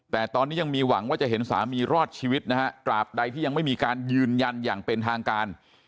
แต่ตอนนี้ยังมีหวังว่าจะเห็นสามีรอดชีวิตนะฮะตราบใดที่ยังไม่มีการยืนยันอย่างเป็นทางการ